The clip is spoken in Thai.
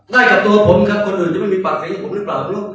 ได้กับตัวผมครับคนอื่นจะไม่มีปัญหาอยู่ของผมหรือเปล่าครับลูก